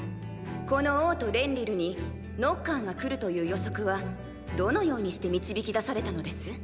この王都レンリルにノッカーが来るという予測はどのようにして導き出されたのです？